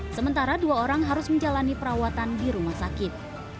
sementara dua orang harus menjalani perawatan di rumah sakit